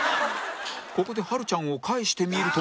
ここではるちゃんを帰してみると